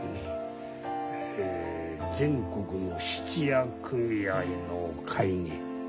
全国の質屋組合の会議